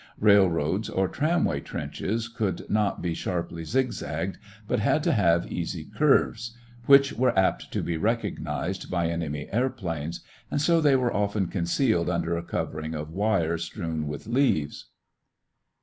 Railroad or tramway trenches could not be sharply zig zagged but had to have easy curves, which were apt to be recognized by enemy airplanes, and so they were often concealed under a covering of wire strewn with leaves.